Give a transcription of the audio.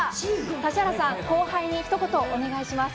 指原さん、後輩に一言お願いします。